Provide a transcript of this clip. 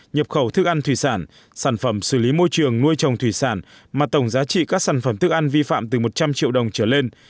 nhập khẩu thức ăn thủy sản sản phẩm xử lý môi trường nuôi trồng thủy sản mà tổng giá trị các sản phẩm thức ăn vi phạm từ một trăm linh triệu đồng trở lên